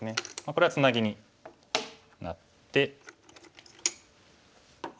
これはツナギになって。